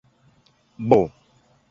bụ